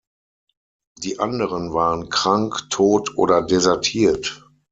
Die anderen waren krank, tot oder desertiert.